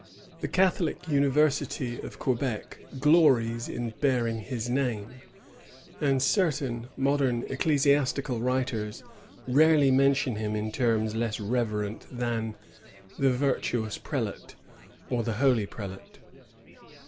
The Catholic university of Quebec glories in bearing his name, and certain modem ecclesiastical writers rarely mention him in terms less reverent than "the virtuous prelate," or "the holy prelate."